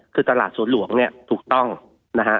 คือตลาดสวนหลวงเนี่ยถูกต้องนะฮะ